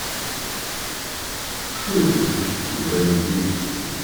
Что это ты зачастил в район дирекции?